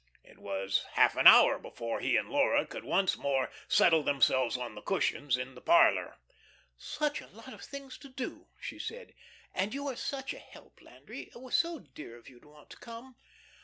It was half an hour before he and Laura could once more settle themselves on the cushions in the parlour. "Such a lot of things to do," she said; "and you are such a help, Landry. It was so dear of you to want to come."